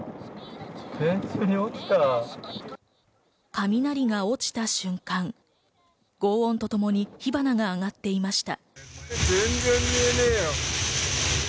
雷が落ちた瞬間、轟音とともに火花があがっていました。